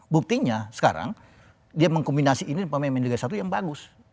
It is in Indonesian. buktinya sekarang dia mengkombinasi ini pemain pemain liga satu yang bagus